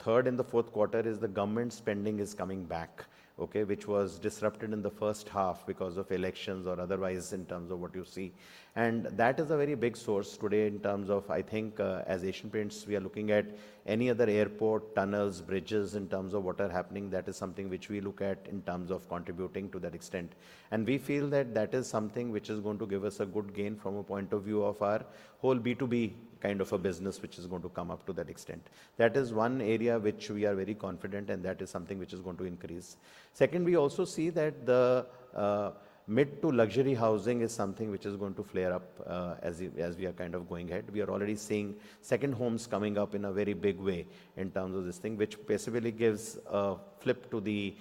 third and the fourth quarter is the government spending is coming back, which was disrupted in the first half because of elections or otherwise in terms of what you see. That is a very big source today in terms of, I think, as Asian Paints, we are looking at any other airport, tunnels, bridges in terms of what are happening. That is something which we look at in terms of contributing to that extent. We feel that that is something which is going to give us a good gain from a point of view of our whole B2B kind of a business, which is going to come up to that extent. That is one area which we are very confident in, and that is something which is going to increase. Second, we also see that the mid to luxury housing is something which is going to flare up as we are kind of going ahead. We are already seeing second homes coming up in a very big way in terms of this thing, which basically gives a flip to the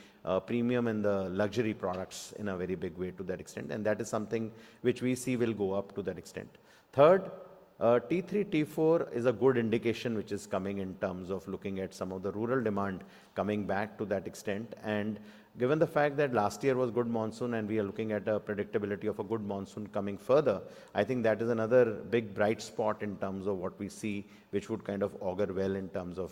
premium and the luxury products in a very big way to that extent. That is something which we see will go up to that extent. Third, T3, T4 is a good indication which is coming in terms of looking at some of the rural demand coming back to that extent. Given the fact that last year was good monsoon and we are looking at a predictability of a good monsoon coming further, I think that is another big bright spot in terms of what we see, which would kind of augur well in terms of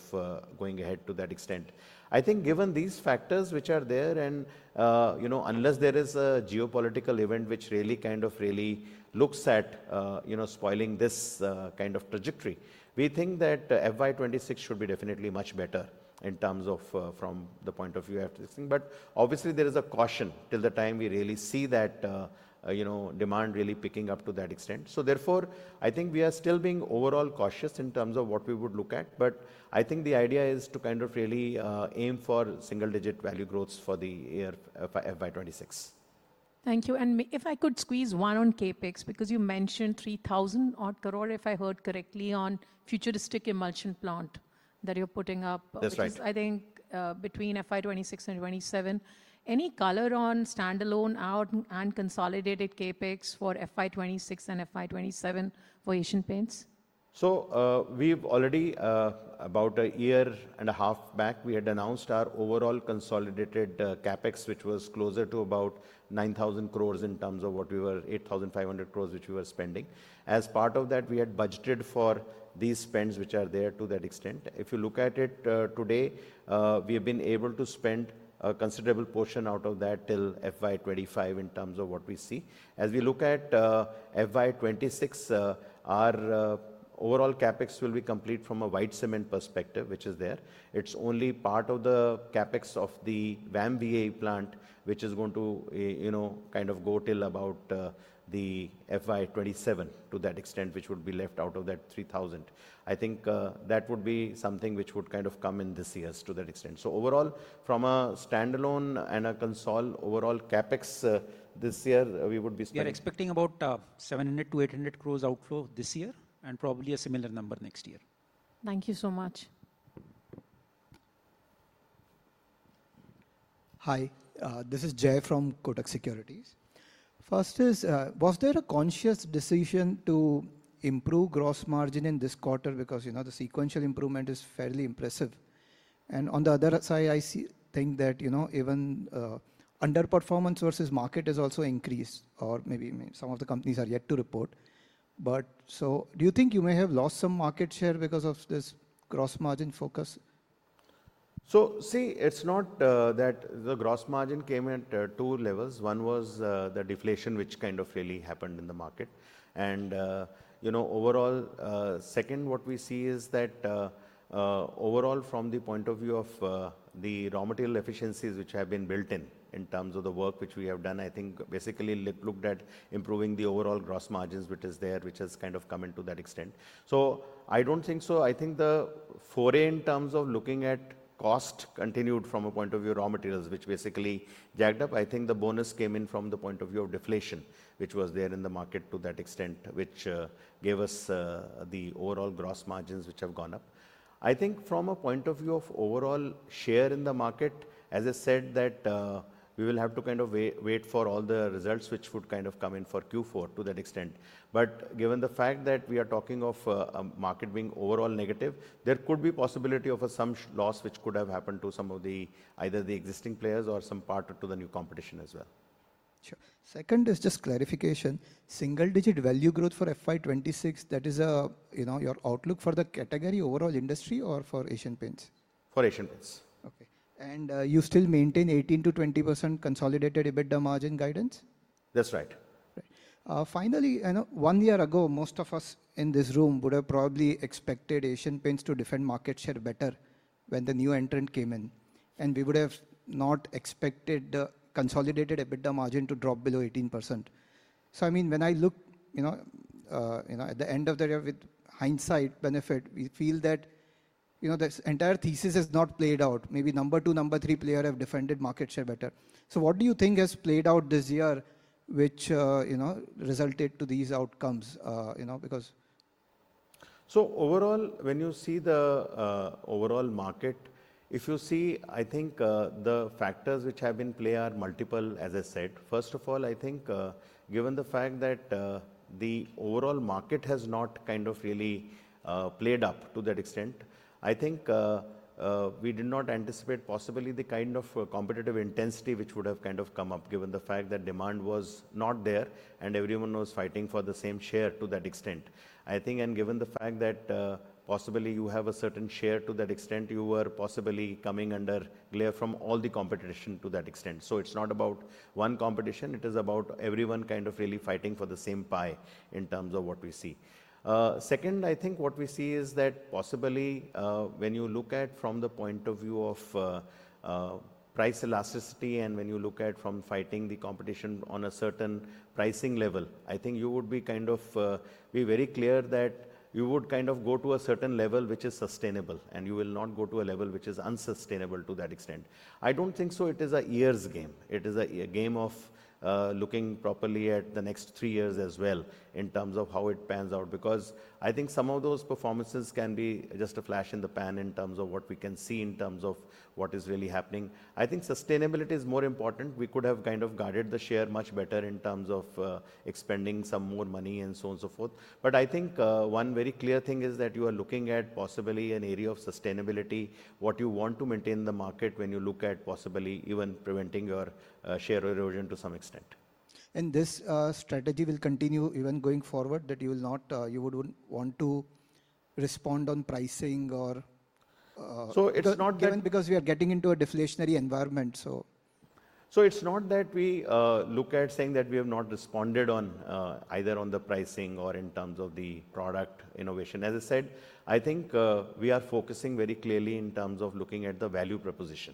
going ahead to that extent. I think given these factors which are there, and unless there is a geopolitical event which really kind of really looks at spoiling this kind of trajectory, we think that FY 2026 should be definitely much better in terms of from the point of view after this thing. Obviously, there is a caution till the time we really see that demand really picking up to that extent. Therefore, I think we are still being overall cautious in terms of what we would look at. I think the idea is to kind of really aim for single-digit value growths for the year FY 2026. Thank you. If I could squeeze one on CapEx, because you mentioned 3,000 crore, if I heard correctly, on futuristic emulsion plant that you're putting up. That's right. I think between FY 2026 and FY 2027. Any color on standalone out and consolidated CapEx for FY2026 and FY2027 for Asian Paints? We have already, about a year and a half back, announced our overall consolidated CapEx, which was closer to about 9,000 crore in terms of what we were, 8,500 crore which we were spending. As part of that, we had budgeted for these spends which are there to that extent. If you look at it today, we have been able to spend a considerable portion out of that till FY2025 in terms of what we see. As we look at FY2026, our overall CapEx will be complete from a white cement perspective, which is there. It is only part of the CapEx of the VAMVA plant, which is going to kind of go till about FY2027 to that extent, which would be left out of that 3,000 crore. I think that would be something which would kind of come in this year to that extent. Overall, from a standalone and a console, overall CapEx this year, we would be spending. You're expecting about 700 crore-800 crore outflow this year and probably a similar number next year. Thank you so much. Hi, this is Jai from Kotak Securities. First is, was there a conscious decision to improve gross margin in this quarter because the sequential improvement is fairly impressive? On the other side, I think that even underperformance versus market has also increased, or maybe some of the companies are yet to report. Do you think you may have lost some market share because of this gross margin focus? See, it's not that the gross margin came at two levels. One was the deflation, which kind of really happened in the market. Overall, second, what we see is that overall, from the point of view of the raw material efficiencies which have been built in in terms of the work which we have done, I think basically looked at improving the overall gross margins which is there, which has kind of come into that extent. I do not think so. I think the foray in terms of looking at cost continued from a point of view of raw materials, which basically jacked up. I think the bonus came in from the point of view of deflation, which was there in the market to that extent, which gave us the overall gross margins which have gone up. I think from a point of view of overall share in the market, as I said, that we will have to kind of wait for all the results which would kind of come in for Q4 to that extent. But given the fact that we are talking of a market being overall negative, there could be possibility of some loss which could have happened to some of the either the existing players or some part to the new competition as well. Sure. Second is just clarification. Single-digit value growth for FY2026, that is your outlook for the category overall industry or for Asian Paints? For Asian Paints. Okay. You still maintain 18-20% consolidated EBITDA margin guidance? That's right. Finally, one year ago, most of us in this room would have probably expected Asian Paints to defend market share better when the new entrant came in. We would have not expected the consolidated EBITDA margin to drop below 18%. I mean, when I look at the end of the year with hindsight benefit, we feel that this entire thesis has not played out. Maybe number two, number three player have defended market share better. What do you think has played out this year which resulted to these outcomes? Overall, when you see the overall market, if you see, I think the factors which have been played are multiple, as I said. First of all, I think given the fact that the overall market has not kind of really played up to that extent, I think we did not anticipate possibly the kind of competitive intensity which would have kind of come up given the fact that demand was not there and everyone was fighting for the same share to that extent. I think, and given the fact that possibly you have a certain share to that extent, you were possibly coming under glare from all the competition to that extent. It is not about one competition. It is about everyone kind of really fighting for the same pie in terms of what we see. Second, I think what we see is that possibly when you look at from the point of view of price elasticity and when you look at from fighting the competition on a certain pricing level, I think you would be kind of be very clear that you would kind of go to a certain level which is sustainable and you will not go to a level which is unsustainable to that extent. I do not think so. It is a years game. It is a game of looking properly at the next three years as well in terms of how it pans out. Because I think some of those performances can be just a flash in the pan in terms of what we can see in terms of what is really happening. I think sustainability is more important. We could have kind of guided the share much better in terms of expending some more money and so on and so forth. I think one very clear thing is that you are looking at possibly an area of sustainability, what you want to maintain the market when you look at possibly even preventing your share erosion to some extent. This strategy will continue even going forward that you will not you would want to respond on pricing or. It is not that. We are getting into a deflationary environment, so. It's not that we look at saying that we have not responded on either on the pricing or in terms of the product innovation. As I said, I think we are focusing very clearly in terms of looking at the value proposition.